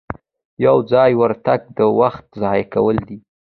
یو ځایي ورتګ د وخت ضایع کول دي.